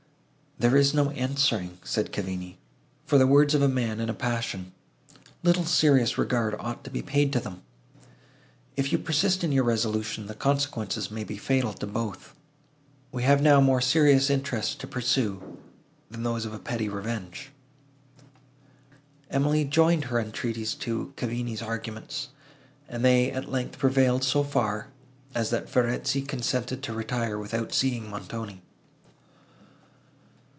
"There is no answering," said Cavigni, "for the words of a man in a passion; little serious regard ought to be paid to them. If you persist in your resolution, the consequences may be fatal to both. We have now more serious interests to pursue, than those of a petty revenge." Emily joined her entreaties to Cavigni's arguments, and they, at length, prevailed so far, as that Verezzi consented to retire, without seeing Montoni.